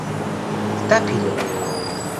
სტაფილო